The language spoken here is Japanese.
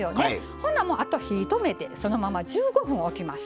ほなもうあと火止めてそのまま１５分おきます。